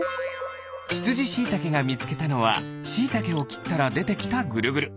ひつじしいたけがみつけたのはしいたけをきったらでてきたぐるぐる。